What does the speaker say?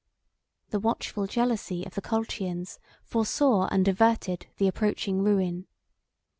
The watchful jealousy of the Colchians foresaw and averted the approaching ruin.